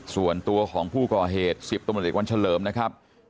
ส่วนตัวของผู้ก่อเหตุ๑๐ตมวันเฉลิมนะครับ